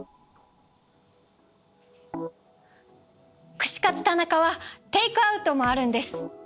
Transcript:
串カツ田中はテークアウトもあるんです。